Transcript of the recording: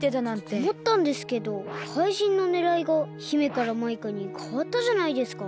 おもったんですけどかいじんのねらいが姫からマイカにかわったじゃないですか。